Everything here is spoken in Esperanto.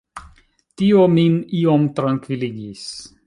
Tio min iom trankviligis.